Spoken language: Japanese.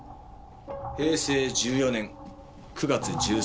平成１４年９月１３日。